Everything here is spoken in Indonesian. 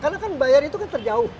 karena kan bayar itu terjauh